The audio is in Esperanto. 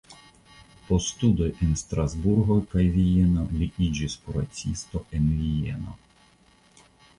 Post studoj en Strasburgo kaj Vieno li iĝis kuracisto en Vieno.